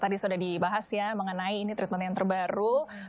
tadi sudah dibahas ya mengenai ini treatment yang terbaru